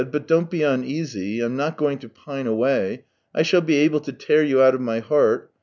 "But don't be uneasy; I'm not going to pine away. I shall be able to tear you out of my heart.